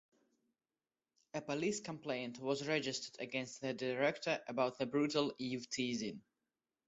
A police complaint was registered against the director about the brutal eve teasing.